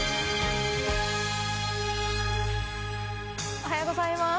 おはようございます。